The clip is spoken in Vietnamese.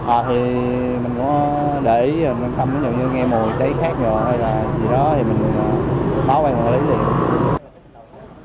à thì mình có để ý mình không có như nghe mùi cháy khác nhỏ hay là gì đó thì mình báo quan hệ lý điện